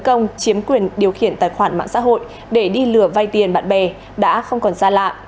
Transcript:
công chiếm quyền điều khiển tài khoản mạng xã hội để đi lừa vay tiền bạn bè đã không còn xa lạ